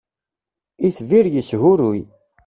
Itbir yeshuruy.